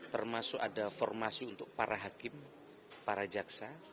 termasuk ada formasi untuk para hakim para jaksa